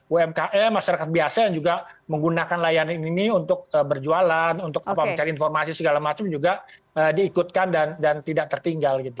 umkm masyarakat biasa yang juga menggunakan layanan ini untuk berjualan untuk mencari informasi segala macam juga diikutkan dan tidak tertinggal gitu